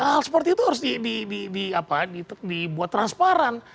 hal seperti itu harus dibuat transparan